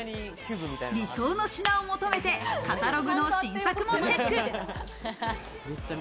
理想の品を求めてカタログの新作もチェック。